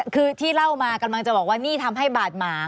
คือที่เล่ามากำลังจะบอกว่านี่ทำให้บาดหมาง